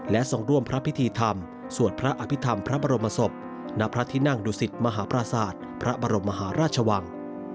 และทรงร่วมพระพิธีธรรมสวดพระอภิษฐรรมพระบรมศพณพระที่นั่งดุสิตมหาปราศาสตร์พระบรมมหาราชวัง